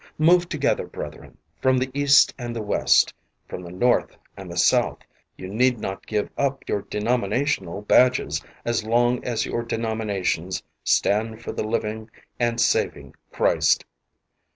Move together, brethren, from the East and the West, from the North and the South. You need not give up your denomina tional badges as long as your denominations stand for the living and saving Christ.